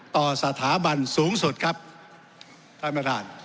ต่อสถาบันสูงสุดครับท่านประธาน